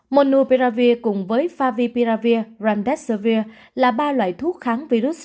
monopiravir cùng với favipiravir randesavir là ba loại thuốc kháng virus